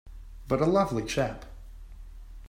But a lovely chap!